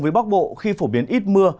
với bắc bộ khi phổ biến ít mưa